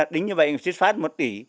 đính như vậy xuyên phát một tỷ